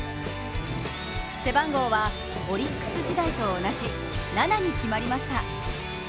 背番号はオリックス時代と同じ７に決まりました。